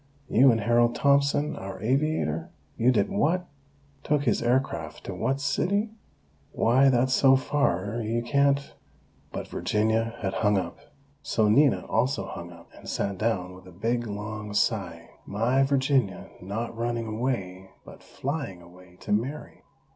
You and Harold Thompson? Our aviator? You did what? Took his aircraft to what city? Why, that's so far you can't " but Virginia had hung up. So Nina also hung up, and sat down with a big, long sigh: "My Virginia, not running away, but flying away, to marry!